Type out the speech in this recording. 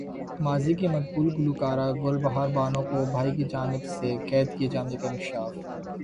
ماضی کی مقبول گلوکارہ گل بہار بانو کو بھائی کی جانب سے قید کیے جانے کا انکشاف